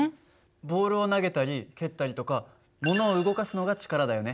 ボールを投げたり蹴ったりとかものを動かすのが力だよね。